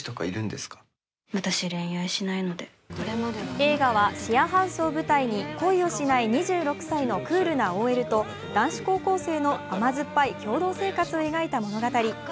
映画はシェアハウスを舞台に恋をしない２６歳のクールなＯＬと男子高校生の甘酸っぱい共同生活を描いた物語。